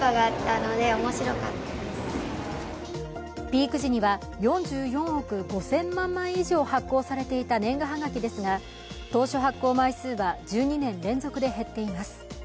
ピーク時には４４億５０００万枚以上発行されていた年賀はがきですが当初発行枚数は１２年連続で減っています。